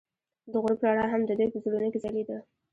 د غروب رڼا هم د دوی په زړونو کې ځلېده.